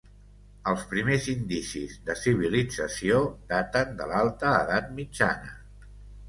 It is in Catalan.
Els primers indicis de civilització daten de l'Alta Edat Mitjana.